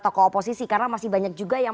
tokoh oposisi karena masih banyak juga yang